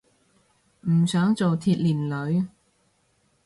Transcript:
唔想做鐵鏈女